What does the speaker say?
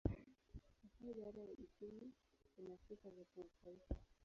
Hasa idara ya uchumi ina sifa za kimataifa.